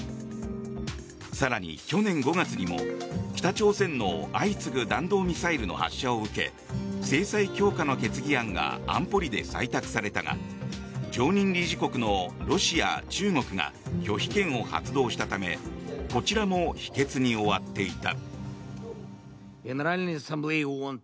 更に去年５月にも、北朝鮮の相次ぐ弾道ミサイルの発射を受け制裁強化の決議案が安保理で採択されたが常任理事国のロシア、中国が拒否権を発動したためこちらも否決に終わっていた。